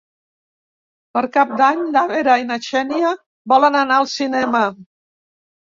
Per Cap d'Any na Vera i na Xènia volen anar al cinema.